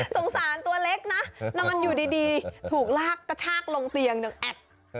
สงสารตัวเล็กนะนอนอยู่ดีถูกลากกระชากลงเตียงอย่างแอด